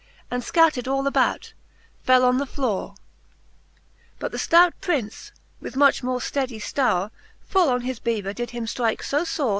And, fcatter'd all about, fell on the flowre. But the ftout Prince, with much more fteddy Jlowre, Full on his bever did him ftrike fo fore.